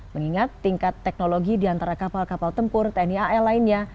mengingat tingkat teknologi di antara kapal kapal tempur tni al lainnya